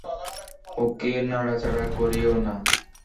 ওকে, নাড়াচাড়া করিও না।